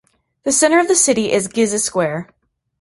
The centre of the city is Giza Square.